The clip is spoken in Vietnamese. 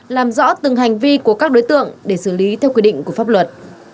làm rõ từng hành vi của các đối tượng để xử lý theo quy định của pháp luật